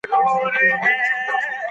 قدم وهل انرژي زیاتوي.